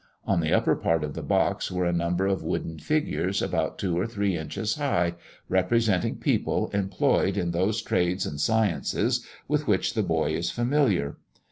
On the upper part of the box are a number of wooden figures, about two or three inches high, representing people employed in those trades and sciences with which the boy is familiar.